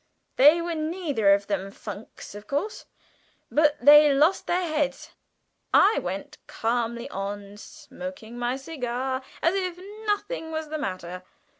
(They were neither of them funks, of course, but they lost their heads.) I went calmly on, smoking my cigar as if nothing was the matter.